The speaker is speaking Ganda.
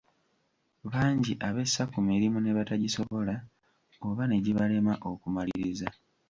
Bangi abessa ku mirimu ne batagisobola, oba ne gibalema okumaliriza.